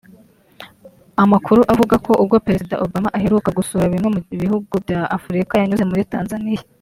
Amakuru avuga ko ubwo Perezida Obama aheruka gusura bimwe mu bihugu bya Afurika yanyuze muri Tanzania